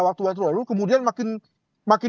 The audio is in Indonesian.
waktu waktu lalu kemudian makin